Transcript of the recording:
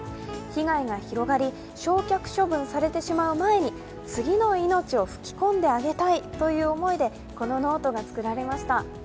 被害が広がり、焼却処分されてしまう前に次の命を吹き込んであげたいという思いでこのノートが作られました。